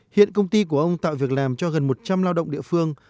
hiện công ty của ông tạo việc làm cho gần một trăm linh lao động địa phương